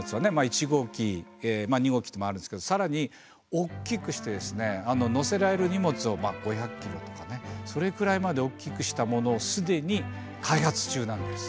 １号機２号機っていうのもあるんですけどさらに大きくしてですね載せられる荷物を５００ｋｇとかねそれくらいまで大きくしたものをすでに開発中なんです。